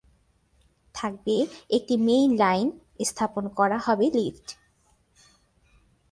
থাকবে একটি main line, স্থাপন করা হবে লিফট।